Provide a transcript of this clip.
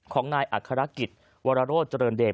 ของนายอัครกิจวรโรธเจริญเดช